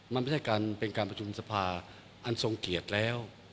มันไม่ใช่การเป็นการประชุมสภาอันทรงเกียรติแล้ว